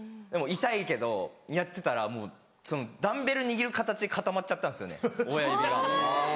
痛いけどやってたらもうダンベル握る形で固まっちゃったんです親指が。